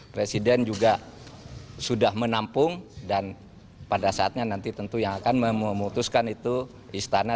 presiden juga sudah menampung dan pada saatnya nanti tentu yang akan memutuskan itu istana